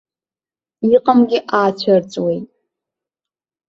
Иҟамгьы аацәырҵуеит.